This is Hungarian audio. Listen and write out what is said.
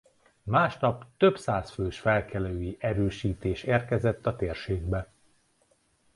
Másnap több száz fős felkelői erősítés érkezett a térségbe.